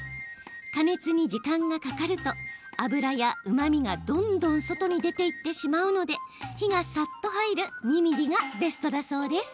加熱に時間がかかると脂や、うまみがどんどん外に出ていってしまうので火がさっと入る２ｍｍがベストだそうです。